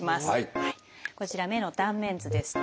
こちら目の断面図です。